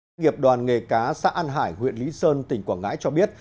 các nghiệp đoàn nghề cá xã an hải huyện lý sơn tỉnh quảng ngãi cho biết